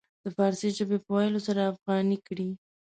د فارسي ژبې په ويلو سره افغاني کړي.